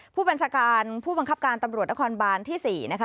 ผู้บัญชาการผู้บังคับการตำรวจนครบานที่๔นะคะ